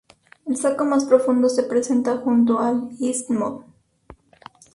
El saco más profundo se presenta junto al istmo.